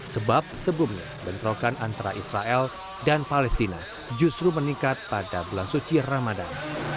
sebab sebelumnya bentrokan antara israel dan palestina justru meningkat pada bulan suci ramadan